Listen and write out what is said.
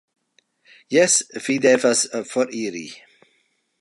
Jes, vi devas foriri